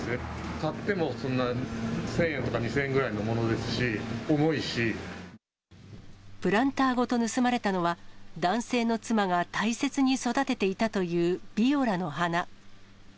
買ってもそんな１０００円とか２０００円ぐらいのものですし、プランターごと盗まれたのは、男性の妻が大切に育てていたというビオラの花。